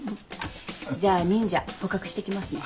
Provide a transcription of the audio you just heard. じゃあ忍者捕獲して来ますね。